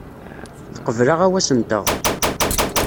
Teqbel aɣawas-nteɣ.